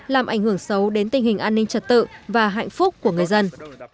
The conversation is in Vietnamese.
làm ảnh hưởng xấu đến tình hình an ninh trật tự và hạnh phúc của người dân